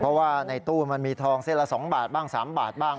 เพราะว่าในตู้มันมีทองเส้นละ๒บาทบ้าง๓บาทบ้าง